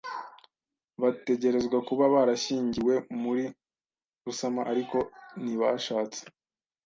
Bategerezwa kuba barashyingiwe muri Rusama, ariko ntibashatse.